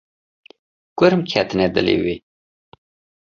Kurm ketine dilê wê.